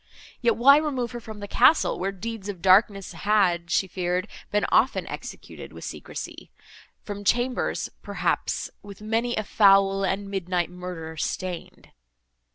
Yet, why remove her from the castle, where deeds of darkness had, she feared, been often executed with secrecy?—from chambers, perhaps With many a foul, and midnight murder stain'd.